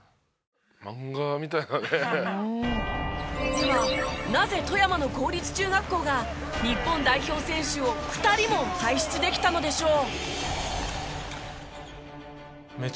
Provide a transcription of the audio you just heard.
ではなぜ富山の公立中学校が日本代表選手を２人も輩出できたのでしょう？